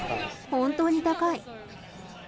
本当に高い。